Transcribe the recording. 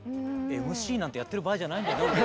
ＭＣなんてやってる場合じゃない。